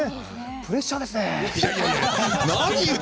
プレッシャーですね。